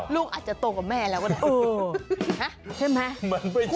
ลูกอาจจะโตกับแม่แล้วก็ได้ใช่ไหม